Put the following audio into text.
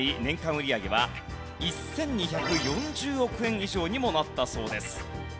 売り上げは１２４０億円以上にもなったそうです。